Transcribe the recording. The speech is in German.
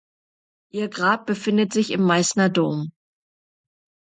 Ihr Grab befindet sich im Meißner Dom.